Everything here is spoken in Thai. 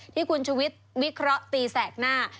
ที่คุณชุวิตวิเคราะห์ตีแสกหน้า